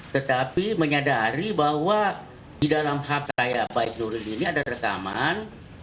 tetapi menyadari bahwa di dalam hak saya baik nuril ini ada rekaman